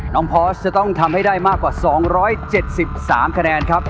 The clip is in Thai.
น้องพอร์ชจะต้องทำให้ได้มากกว่าสองร้อยเจ็ดสิบสามคะแนนครับ